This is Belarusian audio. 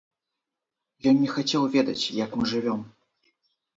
Ён не хацеў ведаць, як мы жывём.